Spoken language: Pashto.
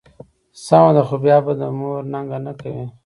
سمه ده، خو بیا به د مور ننګه نه کوې.